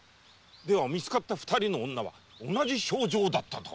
では見つかった二人の女は同じ症状だったと？